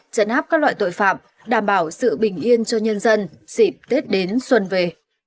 chấn áp các loại tội phạm đảm bảo sự bình yên cho nhân dân dịp tết đến xuân về